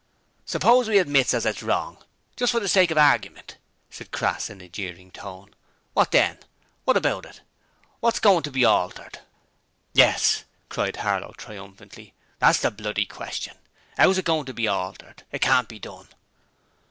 'Suppose we admits as it's wrong, just for the sake of argyment,' said Crass in a jeering tone. 'Wot then? Wot about it? 'Ow's it agoin' to be altered.' 'Yes!' cried Harlow triumphantly. 'That's the bloody question! 'Ow's it goin' to be altered? It can't be done!'